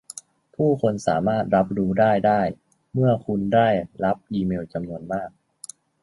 ผู้คนสามารถรับรู้ได้ได้เมื่อคุณได้รับอีเมลจำนวนมาก